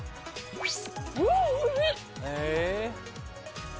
うわっおいしい！